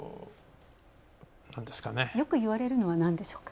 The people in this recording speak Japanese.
よく言われるのはなんでしょうか？